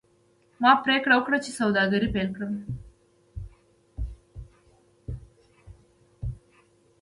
ما پریکړه وکړه چې سوداګري پیل کړم.